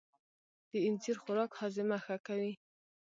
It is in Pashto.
د اینځر خوراک هاضمه ښه کوي.